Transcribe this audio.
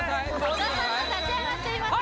小田さんが立ち上がっていますよ